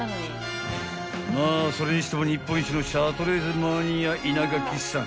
［まあそれにしても日本一のシャトレーゼマニア稲垣さん